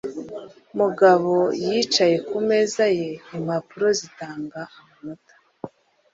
Mugabo yicaye ku meza ye impapuro zitanga amanota.